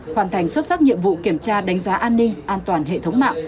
hoàn thành xuất sắc nhiệm vụ kiểm tra đánh giá an ninh an toàn hệ thống mạng